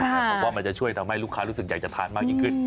ผมว่ามันจะช่วยทำให้ลูกค้ารู้สึกอยากจะทานมากยิ่งขึ้น